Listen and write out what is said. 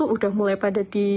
segera merupakan hadir